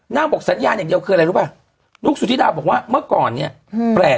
บอกสัญญาณอย่างเดียวคืออะไรรู้ป่ะนุ๊กสุธิดาบอกว่าเมื่อก่อนเนี่ยแปลก